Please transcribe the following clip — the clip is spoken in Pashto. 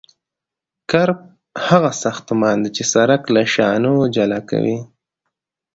کرب هغه ساختمان دی چې سرک له شانو جلا کوي